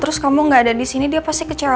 terus kamu nggak ada di sini dia pasti keciawa